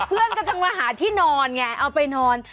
เพื่อนก็ต้องมาหาที่นอนไงเอาไปนอน